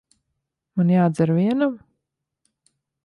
Man jādzer vienam?